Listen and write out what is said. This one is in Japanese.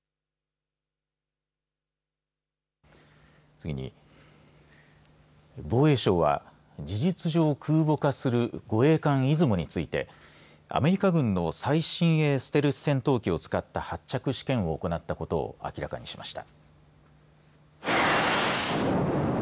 次に防衛省は事実上空母化する護衛艦いずもについてアメリカ軍の最新鋭ステルス戦闘機を使った発着試験を行ったことを明らかにしました。